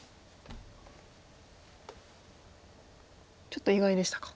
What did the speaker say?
ちょっと意外でしたか。